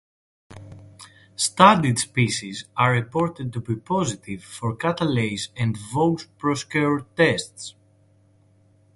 Studied species are reported to be positive for catalase and Voges–Proskauer tests.